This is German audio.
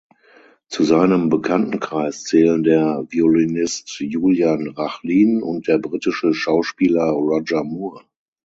Zu seinem Bekanntenkreis zählen der Violinist Julian Rachlin und der britische Schauspieler Roger Moore.